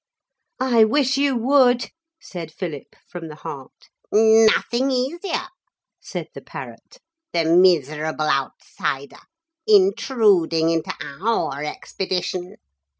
'I wish you would,' said Philip from the heart. 'Nothing easier,' said the parrot, 'the miserable outsider! Intruding into our expedition!